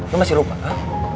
lo masih lupa ha